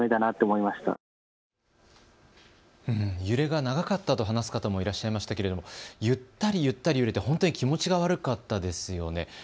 揺れが長かったと話す方もいらっしゃいましたけれども、ゆったりゆったり揺れて本当に気持ちが悪かったですよね。